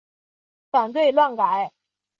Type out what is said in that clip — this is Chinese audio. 反对乱改！